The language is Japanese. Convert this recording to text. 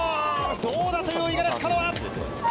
どうだという五十嵐カノア。